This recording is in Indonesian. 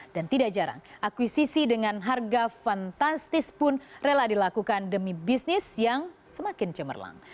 dan tidak jarang akuisisi dengan harga fantastis pun rela dilakukan demi bisnis yang semakin cemerlang